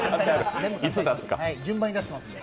順番に出してますんで。